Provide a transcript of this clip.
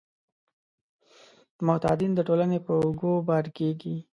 معتادین د ټولنې په اوږو بار کیږي.